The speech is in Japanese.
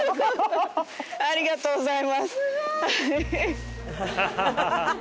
ありがとうございます。